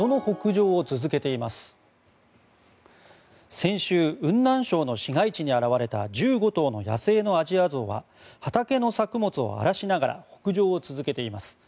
先週、雲南省の市街地に現れた１５頭の野生のアジアゾウは畑の作物を荒らしながら北上を続けています。